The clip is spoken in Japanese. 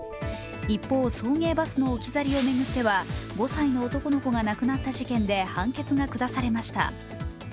一方、送迎バスの置き去りを巡っては５歳の男の子が亡くなった事件で判決が下されました。